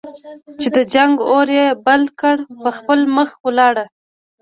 چې د جنګ اور یې بل کړ په خپله مخه ولاړ.